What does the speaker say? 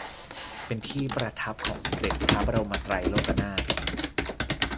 เป็นที่ประทับของสมเด็จพระบรมไตรโลกนาถ